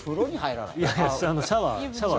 いやいや、シャワー。